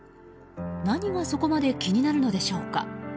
何がそこまで気になるのでしょうか？